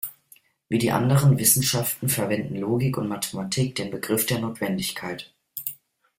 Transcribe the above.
Wie die anderen Wissenschaften verwenden Logik und Mathematik den Begriff der Notwendigkeit.